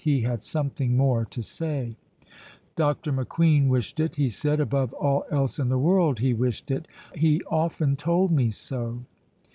He had something more to say. "Dr. McQueen wished it," he said; "above all else in the world he wished it. He often told me so."